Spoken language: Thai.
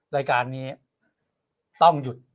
รายการนี้ต้องหยุด